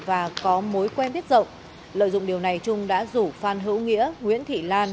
và có mối quen biết rộng lợi dụng điều này trung đã rủ phan hữu nghĩa nguyễn thị lan